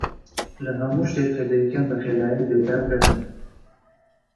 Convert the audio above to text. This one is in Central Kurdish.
لە هەموو شتێک کە دەیکەم بەخێرایی بێزار دەبم.